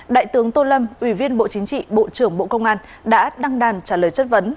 đại tướng tô lâm ủy viên bộ chính trị bộ trưởng bộ công an đã đăng đàn trả lời chất vấn